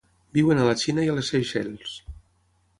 Viuen a la Xina i a les Seychelles.